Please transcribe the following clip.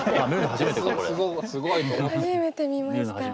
初めて見ました。